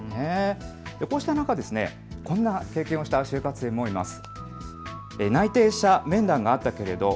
こうした中、こんな経験をした就活生もいます。